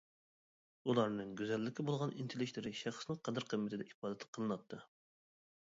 ئۇلارنىڭ گۈزەللىككە بولغان ئىنتىلىشلىرى شەخسنىڭ قەدىر-قىممىتىدە ئىپادە قىلىناتتى.